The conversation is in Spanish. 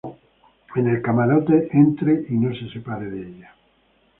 en el camarote. entre y no se separe de ella.